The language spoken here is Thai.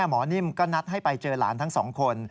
หมอนิ่มก็นัดให้ไปเจอหลานทั้งสองคน